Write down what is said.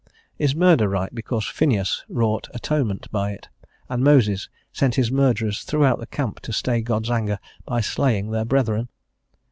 Is murder right because Phineas wrought atonement by it, and Moses sent his murderers throughout the camp to stay God's anger by slaying their brethren?